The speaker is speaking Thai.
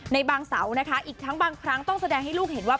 ในบางเสานะคะอีกทั้งบางครั้งต้องแสดงให้ลูกเห็นว่า